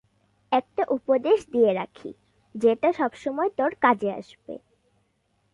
একটা উপদেশ দিয়ে রাখি যেটা সবসময় তোর কাজে আসবে।